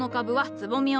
つぼみを？